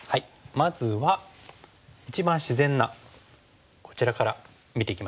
まずは一番自然なこちらから見ていきましょう。